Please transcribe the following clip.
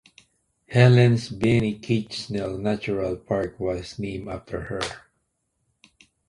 Helen Binney Kitchel Natural Park was named after her.